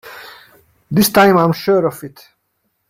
This time I'm sure of it!